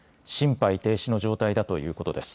心肺停止の状態だということです。